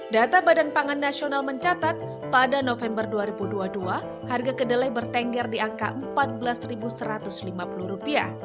data badan pangan nasional mencatat pada november dua ribu dua puluh dua harga kedelai bertengger di angka rp empat belas satu ratus lima puluh